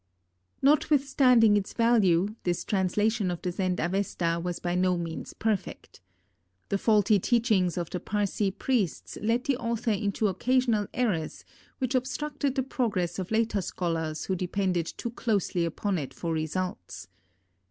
Notwithstanding its value, this translation of the Zend Avesta was by no means perfect. The faulty teachings of the Parsee priests led the author into occasional errors which obstructed the progress of later scholars who depended too closely upon it for results.